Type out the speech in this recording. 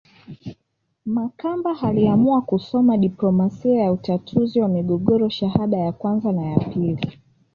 Makamba aliamua kusoma diplomasia ya utatuzi wa migogoro shahada ya kwanza na ya pili